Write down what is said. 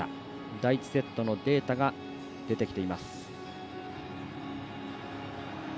第１セットのデータが出てきています。